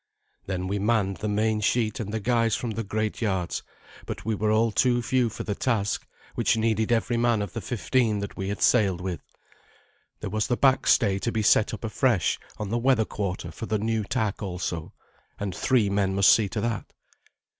Then we manned the main sheet and the guys from the great yards, but we were all too few for the task, which needed every man of the fifteen that we had sailed with. There was the back stay to be set up afresh on the weather quarter for the new tack also, and three men must see to that.